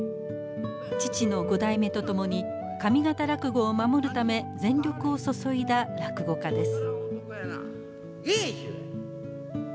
父の五代目と共に上方落語を守るため全力を注いだ落語家です。